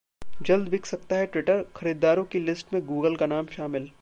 जल्द बिक सकता है ट्विटर, खरीदारों की लिस्ट में गूगल का नाम शामिल